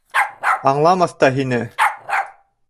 Аңламаҫ та һине